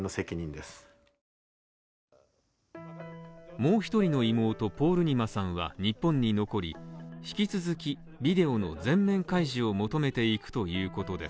もう一人の妹ポールニマさんは日本に残り引き続きビデオの全面開示を求めていくということです